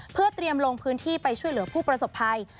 เพื่อเตรียมลงพื้นที่ไปช่วยเหลือผู้ประสบภัย